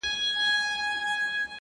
كلي كي ملا سومه ،چي ستا سومه،